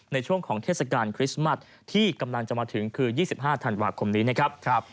ในช่วงของเทศกาลคริสต์มัสที่กำลังจะมาถึงคือ๒๕ธันวาคมนี้นะครับ